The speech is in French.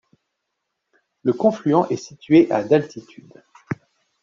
Le confluent est situé à d'altitude.